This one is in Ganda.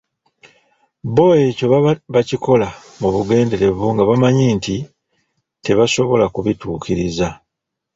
Bo ekyo baba baakikola mu bugenderevu nga bamanyi nti tebasobola kubituukiriza.